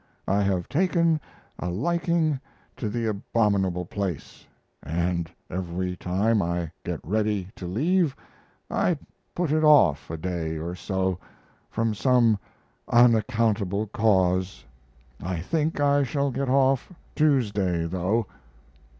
I have taken a liking to the abominable place, and every time I get ready to leave I put it off a day or so, from some unaccountable cause. I think I shall get off Tuesday, though.